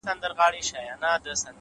د شرابو خُم پر سر واړوه یاره،